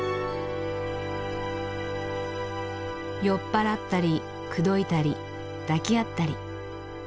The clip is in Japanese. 酔っ払ったり口説いたり抱き合ったり。